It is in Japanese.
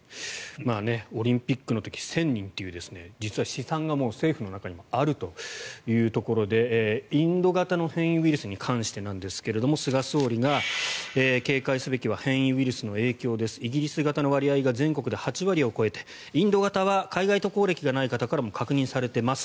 オリンピックの時１０００人という実は試算がもう政府の中にあるというところでインド型の変異ウイルスに関してなんですが菅総理が、警戒すべきは変異ウイルスの影響ですイギリス型の割合が全国で８割を超えインド型は海外渡航歴がない方からも確認されています。